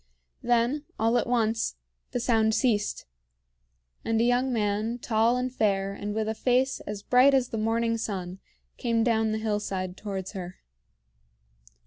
Then, all at once, the sound ceased, and a young man, tall and fair and with a face as bright as the morning sun, came down the hillside towards her.